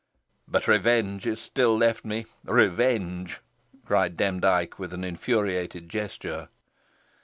"But revenge is still left me revenge!" cried Demdike, with an infuriated gesture.